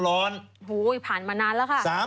โอ้โหผ่านมานานแล้วค่ะ